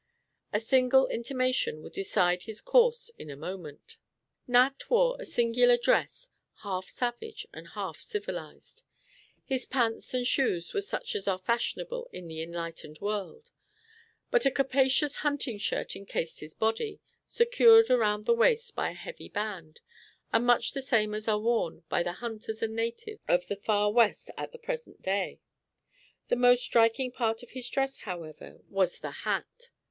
A single intimation would decide his course in a moment. Nat wore a singular dress half savage and half civilized. The pants and shoes were such as are fashionable in the enlightened world; but a capacious hunting shirt encased his body, secured around the waist by a heavy band, and much the same as are worn by the hunters and natives of the Far West at the present day. The most striking part of his dress, however, was the hat.